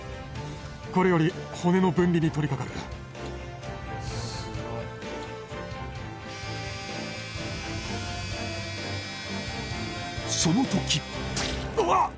これより骨の分離に取りかかるその時うわっ！